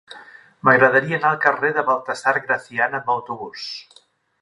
M'agradaria anar al carrer de Baltasar Gracián amb autobús.